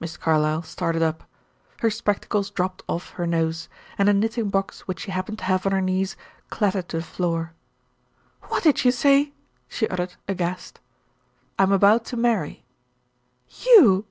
Miss Carlyle started up. Her spectacles dropped off her nose, and a knitting box which she happened to have on her knees, clattered to the floor. "What did you say?" she uttered, aghast. "I'm about to marry." "You!"